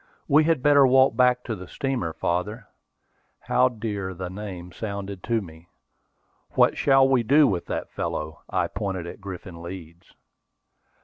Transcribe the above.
"We had better walk back to the steamer, father," how dear the name sounded to me! "What shall we do with that fellow?" I pointed at Griffin Leeds.